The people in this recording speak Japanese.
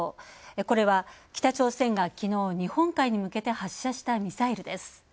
これは、北朝鮮がきのう、日本海に向けて発射したミサイルです。